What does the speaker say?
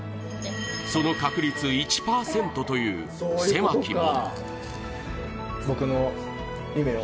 その確率１％という、狭き門。